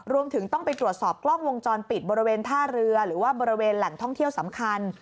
รวมถึงต้องไปตรวจสอบกล้องวงจรปิดบริเวณท่าเรือหรือว่าบริเวณแหล่งท่องเที่ยวสำคัญ